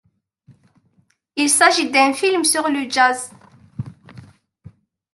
Il s'agit d'un film sur le jazz.